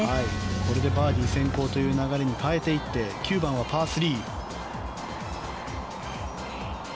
これでバーディー先行という流れに変えていって９番はパー３。